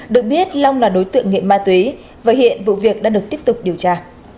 được biết long là đối tượng nghiện ma túy và hiện vụ việc đã được tiếp tục điều tra